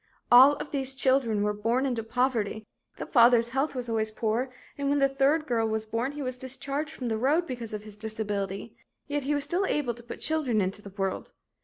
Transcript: "All of these children were born into poverty; the father's health was always poor, and when the third girl was born he was discharged from the road because of his disability, yet he was still able to put children into the world.